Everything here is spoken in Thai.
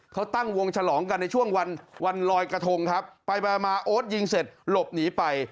เขาตั้งวงฉลองกันในช่วงวันวันลอยกระทงครับไปไปมาโอ๊ตยิงเสร็จหลบหนีไป